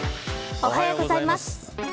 おはようございます。